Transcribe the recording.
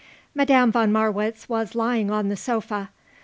Madame von Marwitz was lying on the sofa.